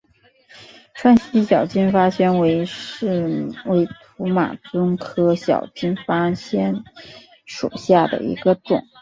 川西小金发藓为土马鬃科小金发藓属下的一个种。